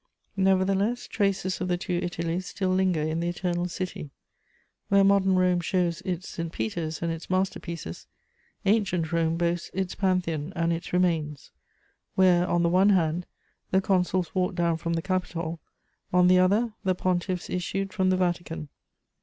Nevertheless, traces of the two Italies still linger in the Eternal City: where modern Rome shows its St. Peter's and its master pieces, ancient Rome boasts its Pantheon and its remains; where, on the one hand, the consuls walked down from the Capitol, on the other, the pontiffs issued from the Vatican.